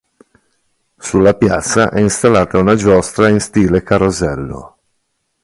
Sulla piazza è installata una giostra in stile carosello.